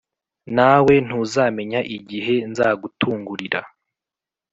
nawe ntuzamenya igihe nzagutungurira.